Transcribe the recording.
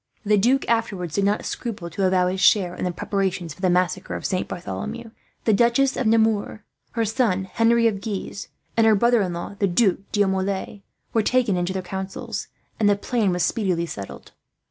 The duke, afterwards, did not scruple to avow his share in the preparations for the massacre of Saint Bartholomew. The Duchess of Nemours, her son Henri of Guise, and her brother in law the Duc d'Aumale were taken into their counsels, and the plan was speedily settled.